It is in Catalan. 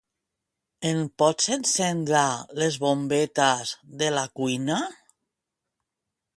Ens pots encendre les bombetes de la cuina?